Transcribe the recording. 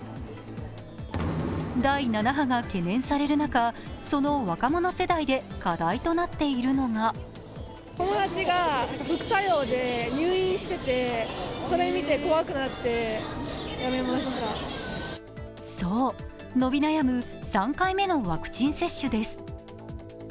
第７波が懸念される中、その若者世代で課題となっているのがそう、伸び悩む３回目のワクチン接種です。